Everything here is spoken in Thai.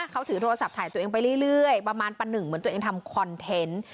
เขาถือโทรศัพท์ถ่ายตัวเองไปเรื่อยประมาณปะหนึ่งเหมือนตัวเองทำคอนเทนต์